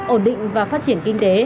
ổn định và phát triển kinh tế